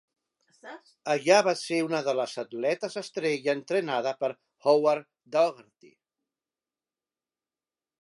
Allà va ser una de les atletes estrella entrenada per Howard Daugharty.